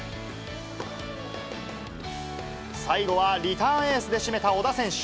最後はリターンエースで締めた小田選手。